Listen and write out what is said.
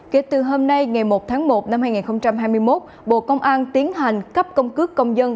kể từ hôm nay ngày một tháng một năm hai nghìn hai mươi một bộ công an tiến hành cấp công cước công dân